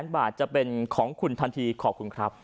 บาทจะเป็นของคุณทันทีขอบคุณครับ